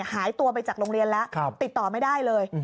หายตัวไปจากโรงเรียนแล้วติดต่อไม่ได้เลย